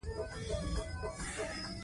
بسته بندي مهمه ده.